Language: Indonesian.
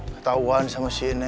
ketahuan sama si ini